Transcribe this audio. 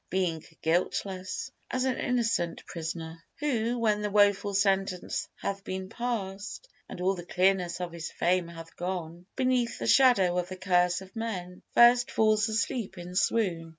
Being guiltless, as an innocent prisoner, Who when the woful sentence hath been past, And all the clearness of his fame hath gone Beneath the shadow of the curse of men, First falls asleep in swoon.